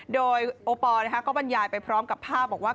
โดยโอปอลก็บรรยายไปพร้อมกับภาพบอกว่า